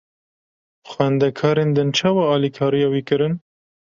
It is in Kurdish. Xwendekarên din çawa alîkariya wî kirin?